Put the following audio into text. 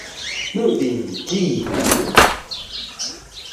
鹿鼎記